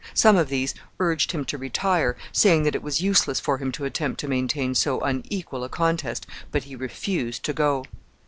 Some of these urged him to retire, saying that it was useless for him to attempt to maintain so unequal a contest, but he refused to go.